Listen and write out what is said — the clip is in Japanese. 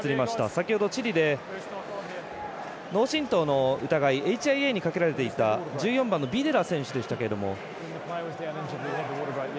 先ほどチリで脳震とうの疑いＨＩＡにかけられていた１４番のビデラ選手ですけれども。